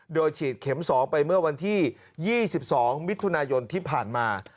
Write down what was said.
โดยฉีดเข็ม๒ไปเมื่อวันที่๒๒มิถุนายนที่ผ่านมา